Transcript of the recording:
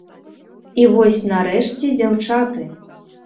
І вось нарэшце дзяўчаты!